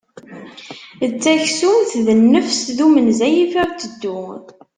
D taksumt d nnefs, d umenzay iɣef iteddu.